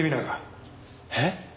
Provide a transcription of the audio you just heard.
えっ？